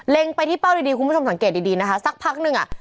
ไปที่เป้าดีคุณผู้ชมสังเกตดีดีนะคะสักพักนึงอ่ะ